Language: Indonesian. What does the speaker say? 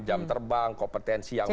jam terbang kompetensi yang